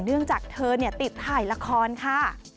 เนื่องจากเธอติดถ่ายละครค่ะ